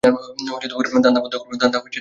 ধান্দা বন্ধ করাবি।